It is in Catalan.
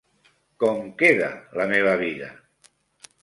Com queda la meva vida?